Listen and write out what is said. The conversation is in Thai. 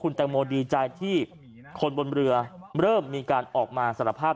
แตงโมดีใจที่คนบนเรือเริ่มมีการออกมาสารภาพ